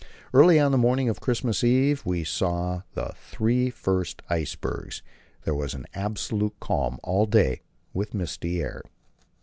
Early on the morning of Christmas Eve we saw the three first icebergs; there was an absolute calm all day, with misty air.